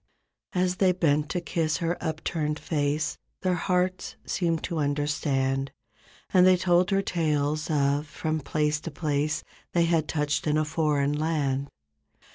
As they bent to kiss her upturned face Their hearts seemed to understand. And they told her tales of from place to place They had touched in a foreign land.